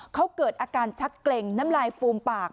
เขาเกิดอาการชักเกร็งน้ำลายฟูมปาก